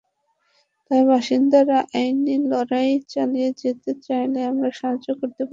তাই বাসিন্দারা আইনি লড়াই চালিয়ে যেতে চাইলে আমরা সাহায্য করতে পারব।